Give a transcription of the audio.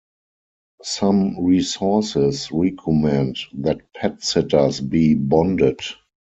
Some resources recommend that pet sitters be bonded.